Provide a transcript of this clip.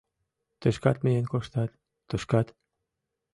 Тышкат миен коштат, тушкат.